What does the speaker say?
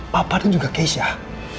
papa tuh juga keisyah